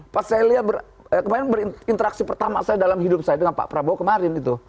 pas saya lihat kemarin berinteraksi pertama saya dalam hidup saya dengan pak prabowo kemarin itu